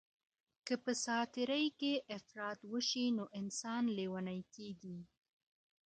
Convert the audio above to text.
که په ساعت تیرۍ کي افراط وشي نو انسان لیونی کیږي.